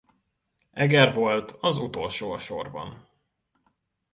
Eger volt az utolsó a sorban.